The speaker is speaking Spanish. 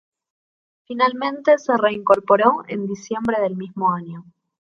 Finalmente se reincorporó en diciembre del mismo año.